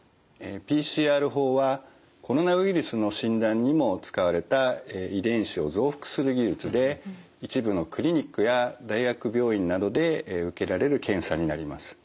ＰＣＲ法はコロナウイルスの診断にも使われた遺伝子を増幅する技術で一部のクリニックや大学病院などで受けられる検査になります。